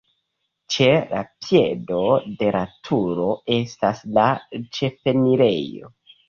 Ĉe la piedo de la turo estas la ĉefenirejo.